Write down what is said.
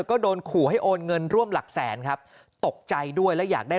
ก็โดนขู่ให้โอนเงินร่วมหลักแสนครับตกใจด้วยและอยากได้